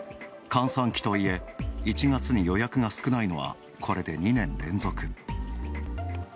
閑散期とはいえ、１月に予約が少ないのはこれで２年連続。